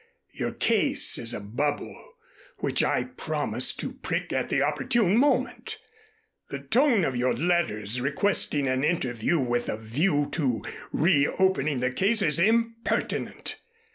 Your case is a bubble which I promise to prick at the opportune moment. The tone of your letters requesting an interview with a view to reopening the case is impertinent.